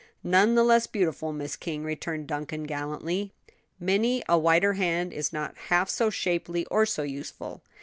"None the less beautiful, Miss King," returned Duncan gallantly. "Many a whiter hand is not half so shapely or so useful.